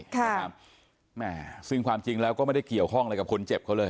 ค่ะแม่ซึ่งความจริงแล้วก็ไม่ได้เกี่ยวข้องอะไรกับคนเจ็บเขาเลย